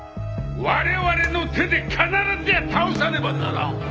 われわれの手で必ずや倒さねばならん！